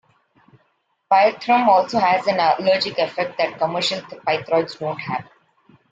Pyrethrum also has an allergenic effect that commercial pyrethroids don't have.